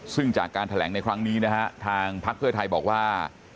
ซึ่งจากการแถลงในครั้งนี้นะฮะทางพักเพื่อไทยบอกว่า